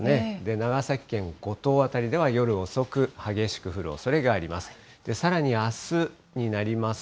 長崎県五島辺りでは、夜遅く、激しく降るおそれがあります。